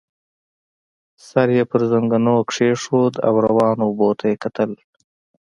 سر يې پر زنګنو کېښود او روانو اوبو ته يې کتل.